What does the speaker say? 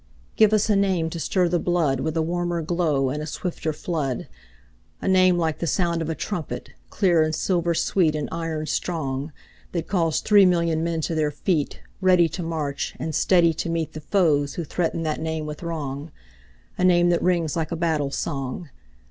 Give us a name to stir the bloodWith a warmer glow and a swifter flood,—A name like the sound of a trumpet, clear, And silver sweet, and iron strong, That calls three million men to their feet, Ready to march, and steady to meetThe foes who threaten that name with wrong,—A name that rings like a battle song.